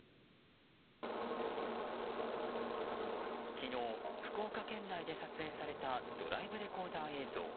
昨日、福岡県内で撮影されたドライブレコーダー映像。